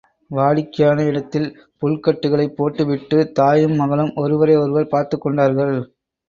வாடிக்கையான இடத்தில் புல் கட்டுக்களைப் போட்டு விட்டுத் தாயும், மகளும் ஒருவரை ஒருவர் பார்த்துக் கொண்டார்கள்.